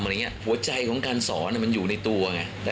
หัวใจของการสอนมันอยู่ในตัวไง